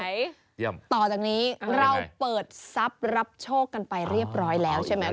ต่อจากนี้เราเปิดทรัพย์รับโชคกันไปเรียบร้อยแล้วใช่ไหม